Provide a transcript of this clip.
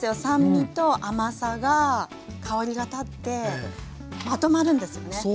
酸味と甘さが香りが立ってまとまるんですよね。